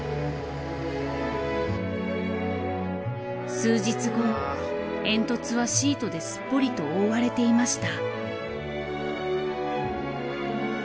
数日後煙突はシートですっぽりと覆われていました。